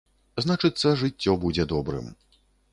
Значыцца, жыццё будзе добрым.